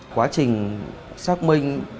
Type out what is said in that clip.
quá trình xác minh